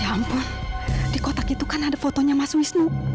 ampun di kotak itu kan ada fotonya mas wisnu